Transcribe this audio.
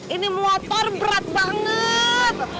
ini motor berat banget